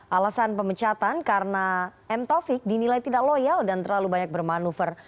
alasan pemecatan karena m taufik dinilai tidak loyal dan terlalu banyak bermanuver